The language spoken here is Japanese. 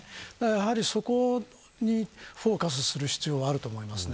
そこにフォーカスする必要があると思います。